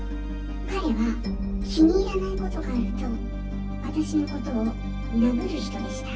彼は気に入らないことがあると私のことを殴る人でした。